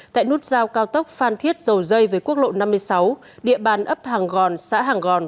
tại nút giao cao tốc phan thiết dầu dây với quốc lộ năm mươi sáu địa bàn ấp hàng gòn xã hàng gòn